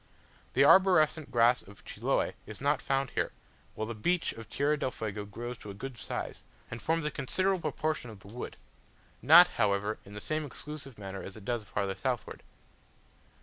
The arborescent grass of Chiloe is not found here; while the beech of Tierra del Fuego grows to a good size, and forms a considerable proportion of the wood; not, however, in the same exclusive manner as it does farther southward.